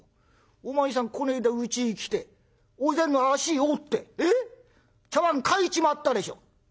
お前さんこないだうちへ来てお膳の脚折って茶碗欠いちまったでしょ」。